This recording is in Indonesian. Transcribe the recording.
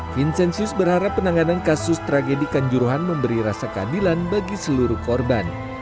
vincenzius berharap penanganan kasus tragedi kanjuruhan memberi rasa keadilan bagi seluruh korban